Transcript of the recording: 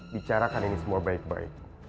bicarakan ini semua baik baik